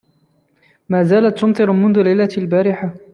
ما زالت تمطر منذ ليلة البارحة.